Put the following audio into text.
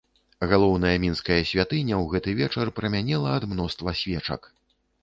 Галоўная мінская святыня ў гэты вечар прамянела ад мноства свечак.